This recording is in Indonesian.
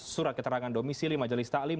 surat keterangan domisili majelis taklim